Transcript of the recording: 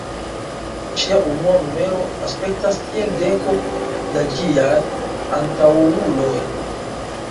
Ŝia unua numero aspektas kiel deko da ĝiaj antaŭuloj.